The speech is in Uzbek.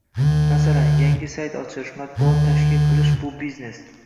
«Masalan, yangi sayt ochish, matbuot tashkil qilish bu – biznes.